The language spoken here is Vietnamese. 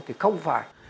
thì không phải